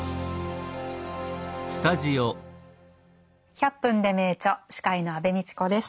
「１００分ｄｅ名著」司会の安部みちこです。